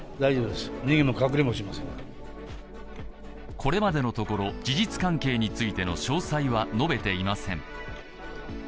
これまでのところ、事実関係についての詳細は述べていません。